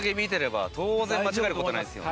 当然間違える事はないですよね？